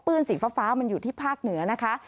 สีฟ้ามันอยู่ที่ภาคเหนือนะคะ